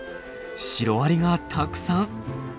シロアリがたくさん。